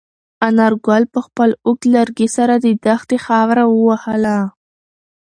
انارګل په خپل اوږد لرګي سره د دښتې خاوره ووهله.